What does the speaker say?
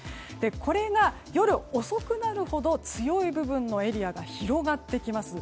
これが夜遅くなるほど強い部分のエリアが広がってきます。